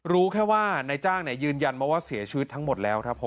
รู้แค่ว่านายจ้างยืนยันมาว่าเสียชีวิตทั้งหมดแล้วครับ